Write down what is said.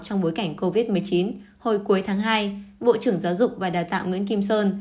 trong bối cảnh covid một mươi chín hồi cuối tháng hai bộ trưởng giáo dục và đào tạo nguyễn kim sơn